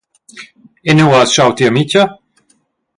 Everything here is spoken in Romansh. E nua has schau tia amitga?